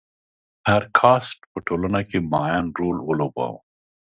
هر کاسټ په ټولنه کې معین رول ولوباوه.